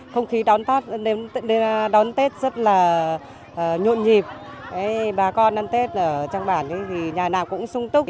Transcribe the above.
không khí đón tết đón tết rất là nhộn nhịp bà con ăn tết ở trong bản thì nhà nào cũng sung túc